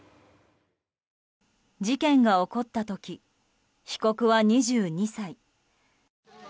事件が起こった時被告は２２歳。